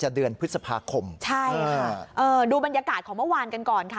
เดือนพฤษภาคมใช่ค่ะเอ่อดูบรรยากาศของเมื่อวานกันก่อนค่ะ